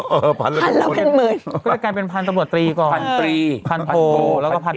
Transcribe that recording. เออพันแล้วเป็นหมื่นก็จะกลายเป็นพันสมตรีก่อนพันตรีพันโพแล้วก็พันเอก